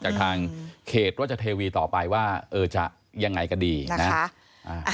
จากทางเขตว่าจะเทวีต่อไปว่าเออจะอย่างไรก็ดีนะคะ